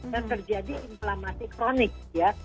dan terjadi inflamasi kronik ya